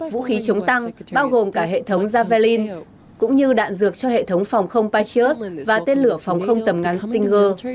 vũ khí chống tăng bao gồm cả hệ thống javelin cũng như đạn dược cho hệ thống phòng không patriot và tên lửa phòng không tầm ngắn stringer